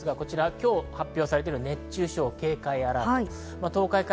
今日発表されている熱中症警戒アラート。